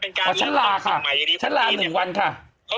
อเพราะฉันลาค่ะฉันลาหนึ่งวันค่ะ